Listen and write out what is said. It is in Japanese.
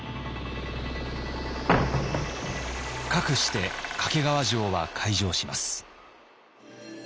かくして懸川城は開城します。